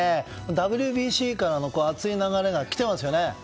ＷＢＣからの熱い流れが来ていますよね。